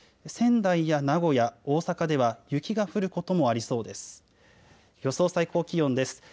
仙台や名古屋、大阪では雪が降ることもありそうです。